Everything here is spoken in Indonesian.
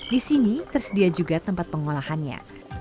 di sini tersedia juga tempat pengolahannya